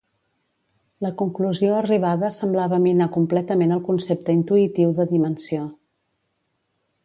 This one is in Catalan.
La conclusió arribada semblava minar completament el concepte intuïtiu de dimensió.